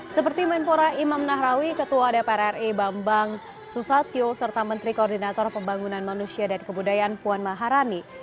seperti menpora imam nahrawi ketua dpr ri bambang susatyo serta menteri koordinator pembangunan manusia dan kebudayaan puan maharani